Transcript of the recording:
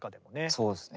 そうですね。